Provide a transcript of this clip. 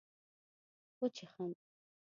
وچيښم